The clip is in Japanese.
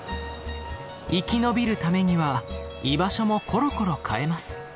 生き延びるためには居場所もコロコロ変えます。